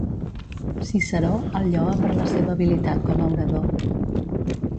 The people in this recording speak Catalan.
Ciceró el lloa per la seva habilitat com a orador.